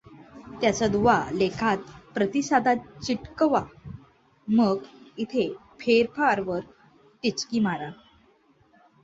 त्याचा दुवा लेखात प्रतिसादात चिकटवा मग, इथे फेरफार वर टिचकी मारा.